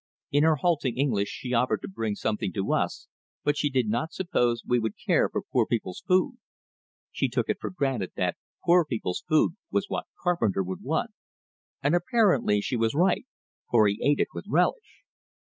In her halting English she offered to bring something to us, but she did not suppose we would care for poor people's food. She took it for granted that "poor people's food" was what Carpenter would want; and apparently she was right, for he ate it with relish.